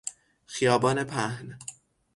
خیابان پهن